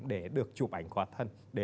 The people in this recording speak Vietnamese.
để được chụp ảnh qua thân